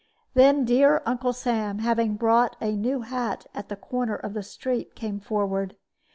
Then dear Uncle Sam, having bought a new hat at the corner of the street, came forward.